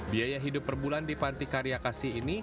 biaya hidup per bulan di panti karya kasih ini